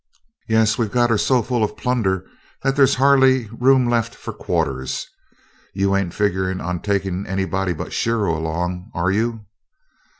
"Yes, we've got her so full of plunder that there's hardly room left for quarters. You ain't figuring on taking anybody but Shiro along, are you?"